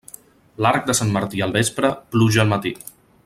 L'arc de Sant Martí al vespre, pluja al matí.